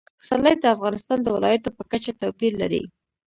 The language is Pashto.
پسرلی د افغانستان د ولایاتو په کچه توپیر لري.